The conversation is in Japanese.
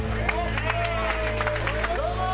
どうも！